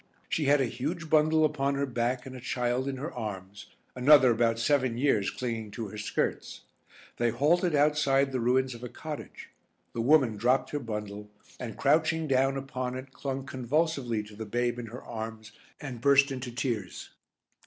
She had a huge bundle upon her back and a child in her arms, another about seven years clinging to her skirts. They halted outside the ruins of a cottage, the woman dropped her bundle, and crouching down upon it clung convulsively to the babe in her arms and burst into tears.